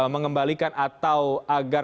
mengembalikan atau agar